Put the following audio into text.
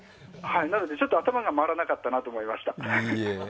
なので、ちょっと頭が回らなかったなと思いました。